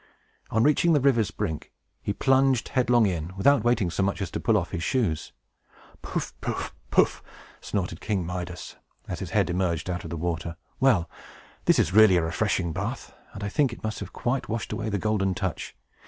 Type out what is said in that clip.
On reaching the river's brink, he plunged headlong in, without waiting so much as to pull off his shoes. "Poof! poof! poof!" snorted King Midas, as his head emerged out of the water. "Well; this is really a refreshing bath, and I think it must have quite washed away the Golden Touch.